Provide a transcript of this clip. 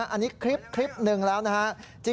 อันนี้คลิป๑แล้วนะฮะ